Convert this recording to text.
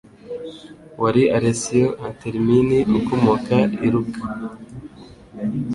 wari Alessio Intermini ukomoka i Lucca